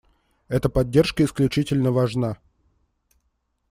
Эта поддержка исключительно важна.